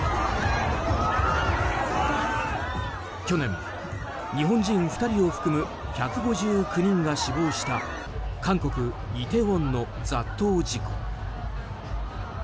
去年、日本人２人を含む１５９人が死亡した韓国イテウォンの雑踏事故。